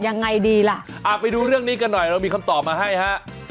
ยังไงดีล่ะอ่าไปดูเรื่องนี้กันหน่อยเรามีคำตอบมาให้ฮะ